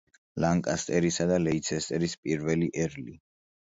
ლანკასტერისა და ლეიცესტერის პირველი ერლი.